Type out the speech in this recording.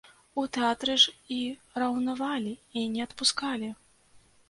У тэатры ж і раўнавалі, і не адпускалі!